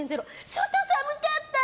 外寒かったー？